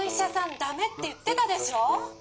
ダメって言ってたでしょ」。